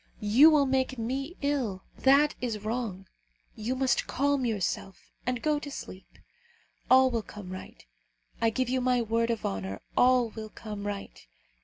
You will make me ill. That is wrong. You must calm yourself, and go to sleep. All will come right. I give you my word of honour, all will come right.